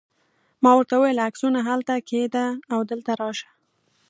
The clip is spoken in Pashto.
ما ورته وویل: عکسونه هلته کښېږده او دلته راشه.